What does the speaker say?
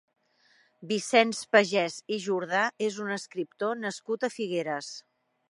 Vicenç Pagès i Jordà és un escriptor nascut a Figueres.